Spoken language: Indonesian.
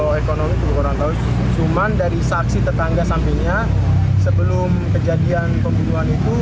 kalau ekonomi kalau orang tahu suman dari saksi tetangga sampingnya sebelum kejadian pembunuhan itu